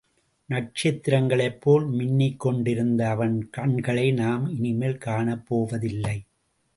நட்சத்திரங்ளைப் போல் மின்னிக் கொண்டிருந்த அவள் கண்களை நாம் இனிமேல் காணப்போவதேயில்லை!